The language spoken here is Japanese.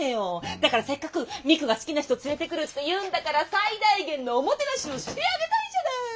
だからせっかく未来が好きな人連れてくるっていうんだから最大限のおもてなしをしてあげたいじゃない！